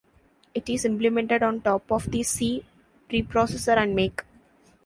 It is implemented on top of the C preprocessor and make.